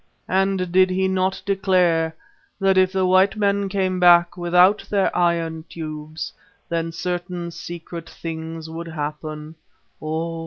And did he not declare that if the white men came again without their iron tubes, then certain secret things would happen oh!